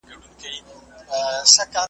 ویل ژر سه مُلا پورته سه کښتۍ ته ,